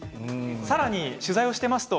さらに取材していきますと